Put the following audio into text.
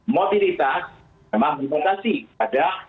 mobilitas memang importasi pada